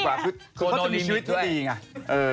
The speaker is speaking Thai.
ก็จะมีชีวิตที่ดีไง